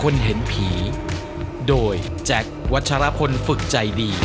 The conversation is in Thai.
ยินดีค่ะ